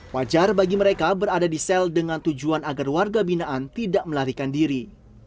wajar bagi mereka berada di sel dengan tujuan agar warga binaan tidak melarikan diri